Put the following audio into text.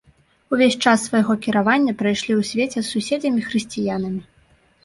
Увесь час свайго кіравання прайшлі ў свеце з суседзямі-хрысціянамі.